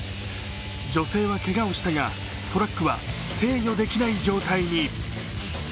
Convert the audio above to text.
女性はけがをしたがトラックは制御できない状態に。